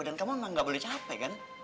dan kamu emang gak boleh capek kan